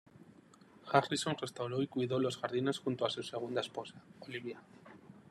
Harrison restauró y cuidó los jardines junto a su segunda esposa, Olivia.